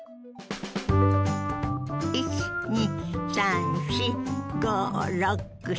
１２３４５６７８。